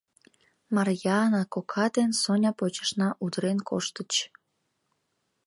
Марйаана кока ден Соня почешна удырен коштыч.